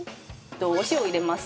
お塩を入れます。